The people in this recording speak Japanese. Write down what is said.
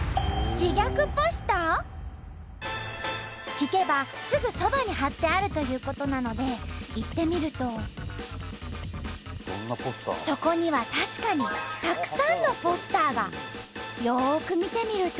聞けばすぐそばに貼ってあるということなので行ってみるとそこには確かによく見てみると。